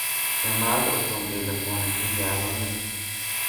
کەمال ئۆتۆمبێلە کۆنەکەی دا بە من.